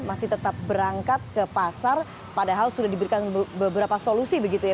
masih tetap berangkat ke pasar padahal sudah diberikan beberapa solusi begitu ya